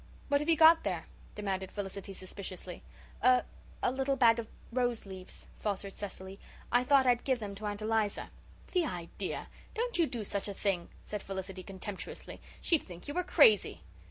"What have you got there?" demanded Felicity suspiciously. "A a little bag of rose leaves," faltered Cecily. "I thought I'd give them to Aunt Eliza." "The idea! Don't you do such a thing," said Felicity contemptuously. "She'd think you were crazy."